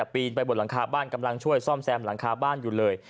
ปีนไปบนหลังคาบ้านกำลังช่วยซ่อมแซมหลังคาบ้านอยู่เลย